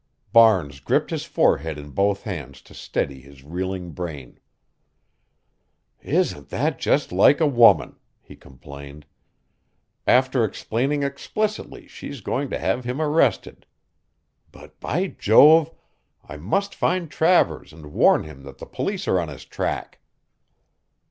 Barnes gripped his forehead in both hands to steady his reeling brain. "Isn't that just like a woman," he complained. "After explaining explicitly she's going to have him arrested. But, by Jove! I must find Travers and warn him that the police are on his track."